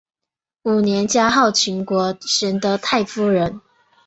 五年加号秦国贤德太夫人。